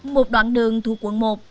một đoạn đường thuộc quận một